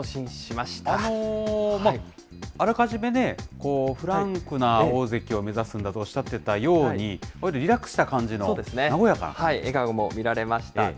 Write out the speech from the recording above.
あらかじめね、フランクな大関を目指すんだとおっしゃっていたように、わりとリラックスした感じの、笑顔も見られました。